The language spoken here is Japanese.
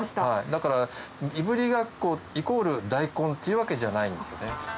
だからいぶりがっこイコールだいこんっていうわけじゃないんですよね。